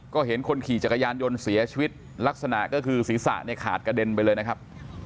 ก็เห็นคนขี่จักรยานยนต์เสียชีวิตลักษณะก็คือศีรษะเนี่ยขาดกระเด็นไปเลยนะครับ